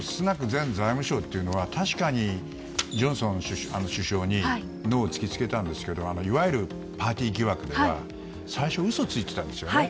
前財務相は確かにジョンソン首相にノーを突きつけたんですがいわゆるパーティー疑惑では最初、嘘をついていたんですよね。